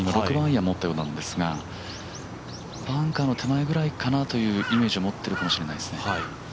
６番アイアンを持ったようですがバンカーの手前ぐらいかなというイメージを持ってるかもしれないです。